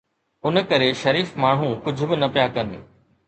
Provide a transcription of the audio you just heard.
ان ڪري شريف ماڻهو ڪجهه به نه پيا ڪن.